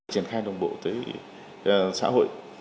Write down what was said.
triển khai đồng bộ tới xã hội